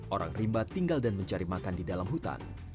orang rimba tinggal dan mencari makan di dalam hutan